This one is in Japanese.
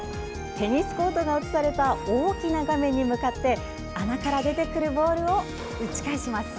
テニスコートが映された大きな画面に向かって穴から出てくるボールを打ち返します！